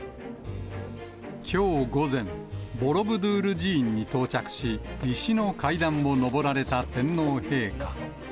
きょう午前、ボロブドゥール寺院に到着し、石の階段を上られた天皇陛下。